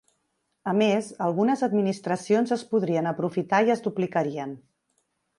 A més, algunes administracions es podrien aprofitar i es duplicarien.